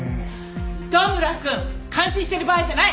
糸村くん感心している場合じゃない！